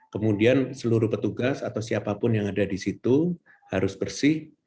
kemudian seluruh petugas atau siapapun yang ada di situ harus bersih